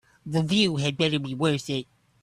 The view had better be worth it.